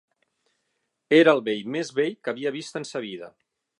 Era el vell més vell que havia vist en sa vida